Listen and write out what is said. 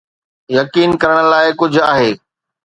يقين ڪرڻ لاء ڪجهه آهي.